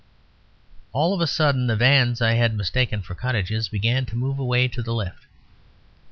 All of a sudden the vans I had mistaken for cottages began to move away to the left.